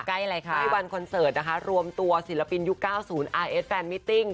ใกล้วันคอนเสิร์ตนะคะรวมตัวศิลปินยุค๙๐อาร์เอสแฟนมิติ้ง